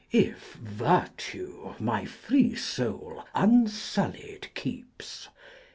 If Virtue my free Soul unfuUy d keeps.